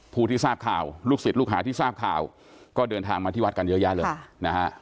ผู้ที่ทราบข่าวลูกศิษย์ลูกหาที่ทราบข่าวก็เดินทางมาที่วัดกันเยอะแยะเลยนะฮะ